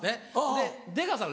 で出川さん